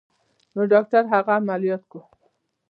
نو ډاکتر هغه عمليات کا.